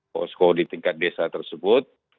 kos kos di tingkat desa tersebut